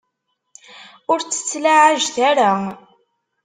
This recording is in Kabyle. Ur tt-ttlaɛajet ara.